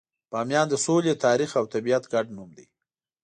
بامیان د سولې، تاریخ، او طبیعت ګډ نوم دی.